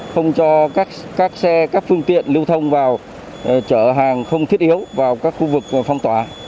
không cho các xe các phương tiện lưu thông vào trở hàng không thiết yếu vào các khu vực phong tỏa